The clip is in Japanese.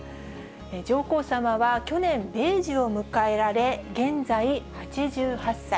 上皇さまは去年、米寿を迎えられ、現在８８歳。